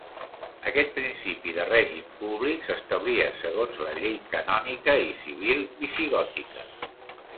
Aquest principi de règim públic s'establia segons la llei canònica i civil visigòtica.